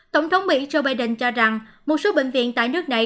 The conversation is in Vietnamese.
tổng thống mỹ joe biden cho rằng một số bệnh viện tại nước này